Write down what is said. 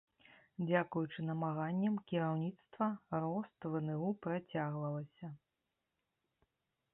Дзякуючы намаганням кіраўніцтва рост вну працягвалася.